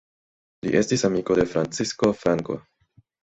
Li estis amiko de Francisco Franco.